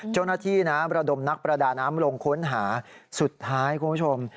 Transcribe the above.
เจ้าหน้าที่นะระดมนักประดาน้ำลงค้นหาสุดท้ายคุณผู้ชม